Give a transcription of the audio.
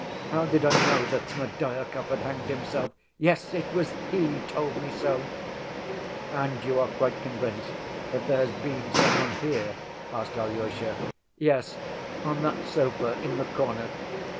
How did I know that Smerdyakov had hanged himself? Yes, it was he told me so." "And you are quite convinced that there has been some one here?" asked Alyosha. "Yes, on that sofa in the corner.